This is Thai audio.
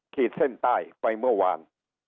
ขีดเส้นใต้ไปเมื่อวาน